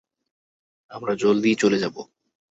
আমরা জলদিই চলে যাবো।